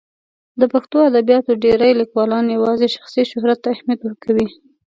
د پښتو ادبیاتو ډېری لیکوالان یوازې شخصي شهرت ته اهمیت ورکوي.